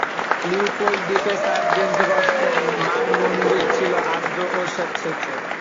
Leopold দ্বীপে sir James রস-এর মানমন্দির ছিল আর্দ্র ও স্যাঁতসেঁতে।